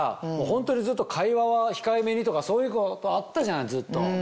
ホントにずっと会話は控えめにとかそういうことあったじゃないずっと。